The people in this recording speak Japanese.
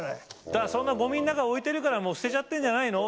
だからそんなゴミの中に置いてるからもう捨てちゃってんじゃないの？